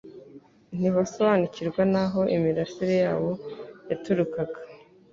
ntibasobanukirwa n'aho imirasire yawo yaturukaga.